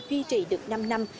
duy trì được năm năm